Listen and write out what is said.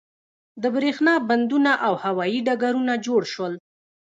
د بریښنا بندونه او هوایی ډګرونه جوړ شول.